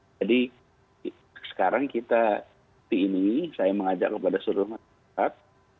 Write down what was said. jadi sekarang kita di ini saya mengajak kepada seluruh masyarakat